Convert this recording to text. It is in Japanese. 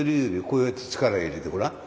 こうやって力入れてごらん。